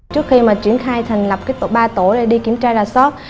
trước khi mà triển khai thành lập ba tổ để đi kiểm tra ra soát